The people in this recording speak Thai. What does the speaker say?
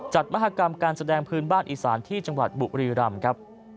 มหากรรมการแสดงพื้นบ้านอีสานที่จังหวัดบุรีรำครับ